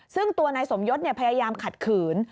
ซึ่งตัวนายสมยศพยายามขัดขืน